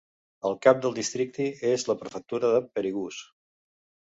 El cap del districte és la prefectura de Perigús.